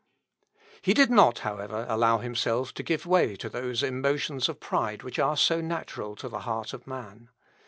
He did not, however, allow himself to give way to those emotions of pride which are so natural to the heart of man.